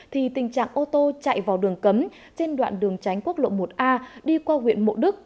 thì tình trạng ô tô chạy vào đường cấm trên đoạn đường tránh quốc lộ một a đi qua huyện mộ đức